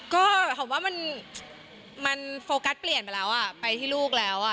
ก็หอมว่ามันโฟกัสเปลี่ยนไปแล้วไปที่ลูกแล้ว